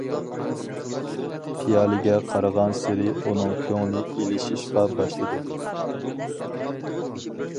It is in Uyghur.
پىيالىگە قارىغانسېرى ئۇنىڭ كۆڭلى ئېلىشىشقا باشلىدى.